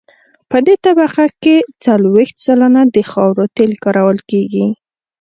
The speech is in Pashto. په دې طبقه کې څلویښت سلنه د خاورو تیل کارول کیږي